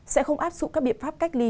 sẽ không áp dụng các biện pháp cách ly